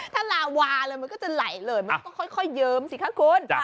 ถ้าลาวาเลยมันก็จะไหลเลยมันก็ค่อยเยิ้มสิคะคุณ